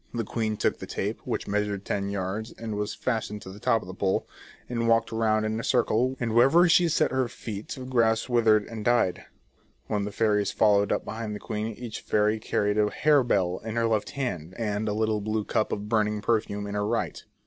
The queen took the tape, which measured ten yards and was fastened to the top of the pole, and walked round in a circle, and wherever she set her feet the grass withered and died. Then the fairies followed up behind the queen, and each fairy carried a harebell in her left hand, and a little 6 The Fairies of Caragonan. blue cup of burning perfume in her right.